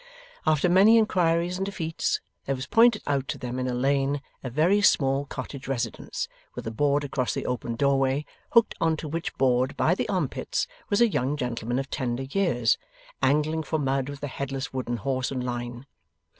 After many inquiries and defeats, there was pointed out to them in a lane, a very small cottage residence, with a board across the open doorway, hooked on to which board by the armpits was a young gentleman of tender years, angling for mud with a headless wooden horse and line.